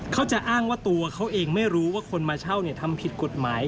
เขาจะอ้างว่าตัวเขาเองไม่รู้ว่าคนมาเช่าทำผิดกฎหมาย